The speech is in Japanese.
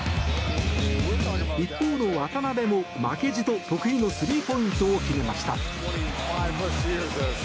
一方の渡邊も負けじと得意のスリーポイントを決めました。